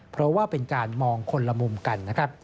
เพราะว่าเป็นการมองคนละมุมกัน